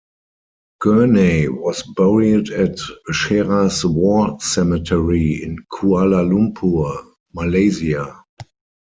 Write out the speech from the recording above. Gurney was buried at Cheras War Cemetery in Kuala Lumpur, Malaysia.